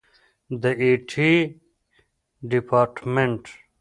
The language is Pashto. د آی ټي ډیپارټمنټ